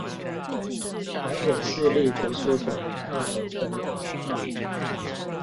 臺北市立圖書館大同分館